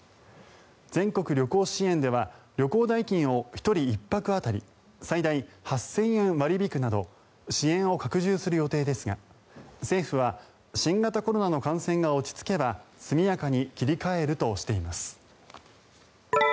全国旅行支援策では旅行代金を１人１泊当たり最大８０００円割り引くなど支援を拡充する予定ですが政府は新型コロナの感染が落ち着けば速やかに切り替えるとしています。